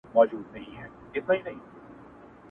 • غم ته به مي شا سي، وايي بله ورځ -